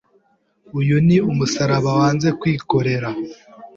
Uyu ni umusaraba wanze kwikorera.